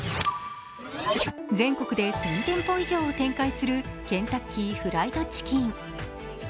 全国で１０００店舗以上を展開するケンタッキーフライドチキン。